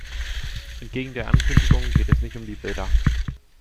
Entgegen der Ankündigung geht es nicht um die Bilder.